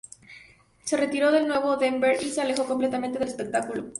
Se retiró de nuevo a Denver y se alejó completamente del espectáculo.